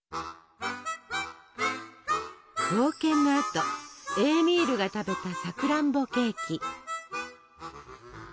冒険のあとエーミールが食べたさくらんぼケーキ。